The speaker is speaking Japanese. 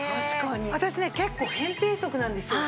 私ね結構扁平足なんですよ。